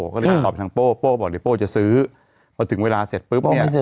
ก็เลยตอบทางโป้โป้บอกเดี๋ยวโป้จะซื้อพอถึงเวลาเสร็จปุ๊บเนี่ย